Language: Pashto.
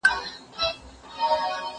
زه کولای سم سبزیجات تيار کړم